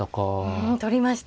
うん取りました。